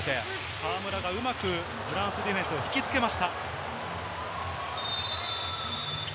河村がうまくフランスディフェンスを引き付けました。